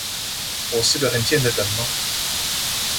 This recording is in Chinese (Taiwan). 我是個很賤的人嗎